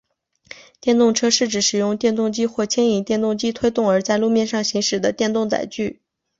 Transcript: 电动车是指使用电动机或牵引电动机推动而在路面上行驶的电动载具。